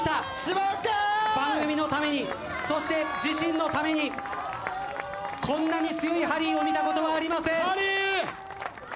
番組のためにそして自身のためにこんなに強いハリーを見たことはありません。